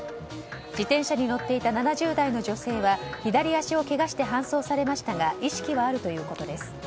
自転車に乗っていた７０代の女性は左足をけがして搬送されましたが意識はあるということです。